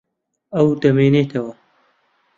ئەو دەمێنێتەوە.